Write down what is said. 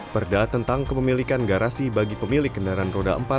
perda tentang kepemilikan garasi bagi pemilik kendaraan roda empat